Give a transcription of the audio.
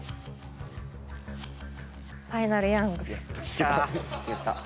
ファイナルヤング。